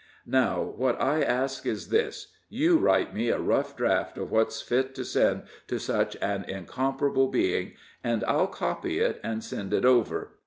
Now, what I ask, is this: you write me a rough draft of what's fit to send to such an incomparable being, and I'll copy it and send it over.